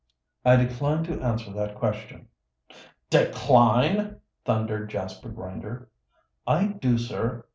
"I decline to answer that question." "Decline!" thundered Jasper Grinder. "I do, sir.